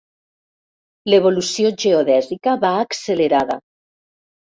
L'evolució geodèsica va accelerada.